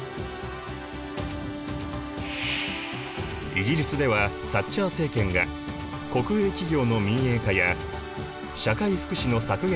イギリスではサッチャー政権が国営企業の民営化や社会福祉の削減を断行。